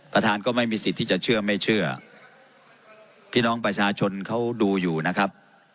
ท่านก็ไม่มีสิทธิ์ที่จะเชื่อไม่เชื่อพี่น้องประชาชนเขาดูอยู่นะครับ